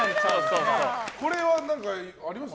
これは、あります？